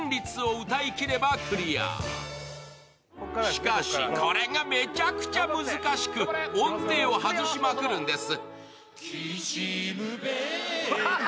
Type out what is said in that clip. しかし、これがめちゃくちゃ難しく音程を外しまくるんです。